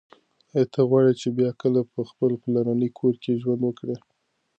ایا ته غواړي چې بیا کله په خپل پلرني کور کې ژوند وکړې؟